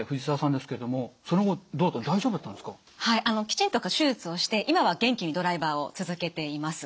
きちんと手術をして今は元気にドライバーを続けています。